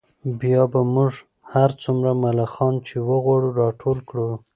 بیا به موږ هر څومره ملخان چې وغواړو راټول کړو